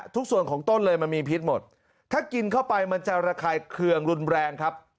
ทุกส่วนของต้นเลยมันมีพิษหมดถ้ากินเข้าไปมันจะระคายเคืองรุนแรงครับ